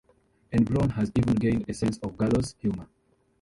And Browne has even gained a sense of gallows humor.